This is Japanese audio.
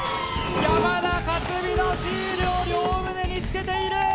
山田勝己のシールを両胸につけている！